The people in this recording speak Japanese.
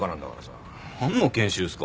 何の研修っすか？